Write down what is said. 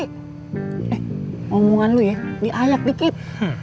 eh ngomongan lo ya diayak dikit